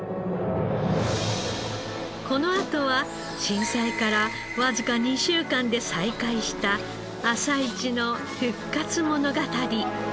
このあとは震災からわずか２週間で再開した朝市の復活物語。